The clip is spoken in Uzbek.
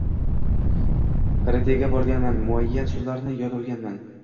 karatega borganman, muayyan soʻzlarni yod olganman.